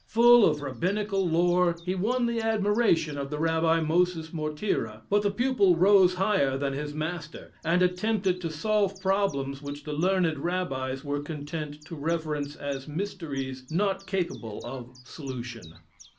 Full of rabbinical lore he won the admiration of the Rabbi Moses Mortira, but the pupil rose higher than his master, and attempted to solve problems which the learned rabbis were content to reverence as mysteries not capable of solution.